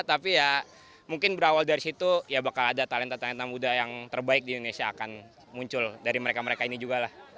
tapi ya mungkin berawal dari situ ya bakal ada talenta talenta muda yang terbaik di indonesia akan muncul dari mereka mereka ini juga lah